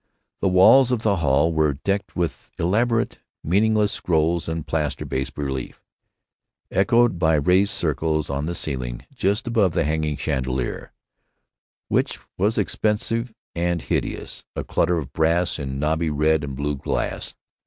The walls of the hall were decked with elaborate, meaningless scrolls in plaster bas relief, echoed by raised circles on the ceiling just above the hanging chandelier, which was expensive and hideous, a clutter of brass and knobby red and blue glass.